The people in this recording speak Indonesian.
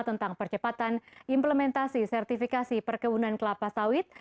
tentang percepatan implementasi sertifikasi perkebunan kelapa sawit